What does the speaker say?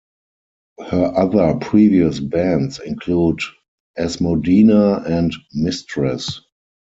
Her other previous bands include Asmodina and Mistress.